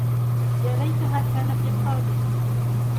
يا لَيتَها كانَتِ القاضِيَةَ